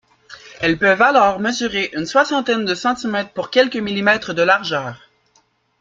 Elles peuvent alors mesurer une soixantaine de cm pour quelques mm de largeur.